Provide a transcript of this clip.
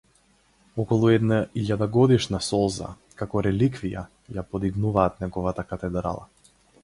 Околу една илјадагодишна солза, како реликвија, ја подигнуваат неговата катедрала.